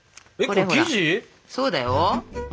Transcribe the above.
そうだよ。